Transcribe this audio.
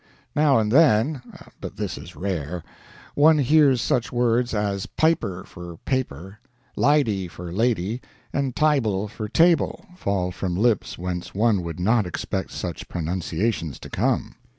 Now and then but this is rare one hears such words as piper for paper, lydy for lady, and tyble for table fall from lips whence one would not expect such pronunciations to come.